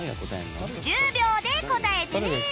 １０秒で答えてね